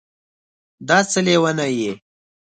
دا څه لېونی یې